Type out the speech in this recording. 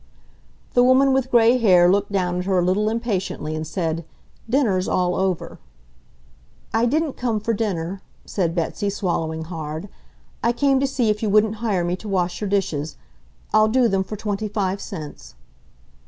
The woman with gray hair looked down at her a little impatiently and said, "Dinner's all over." "I didn't come for dinner," said Betsy, swallowing hard. "I came to see if you wouldn't hire me to wash your dishes. I'll do them for twenty five cents."